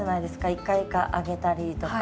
一回一回揚げたりとか。